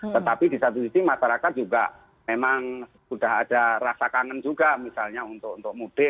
tetapi di satu sisi masyarakat juga memang sudah ada rasa kangen juga misalnya untuk mudik